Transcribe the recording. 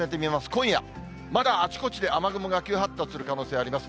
今夜、まだあちこちで雨雲が急発達する可能性があります。